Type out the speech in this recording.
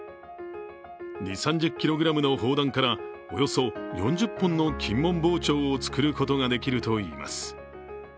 ２０３０ｋｇの砲弾からおよそ４０本の金門包丁を作ることができるといいます。